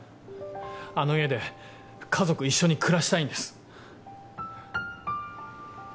あの家で家族一緒に暮らしたいんです。